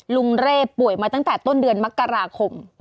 เร่ป่วยมาตั้งแต่ต้นเดือนมกราคม